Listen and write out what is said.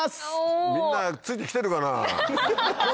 みんなついて来てるかな？ハハハ！